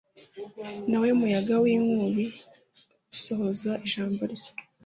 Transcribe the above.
nawe muyaga w'inkubi usohoza ijambo rye